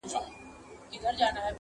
په نس ماړه او پړسېدلي کارغان٫